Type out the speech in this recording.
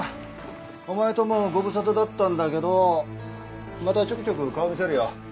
お前ともご無沙汰だったんだけどまたちょくちょく顔見せるよ。